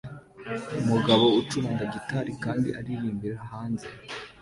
Umugabo ucuranga gitari kandi aririmbira hanze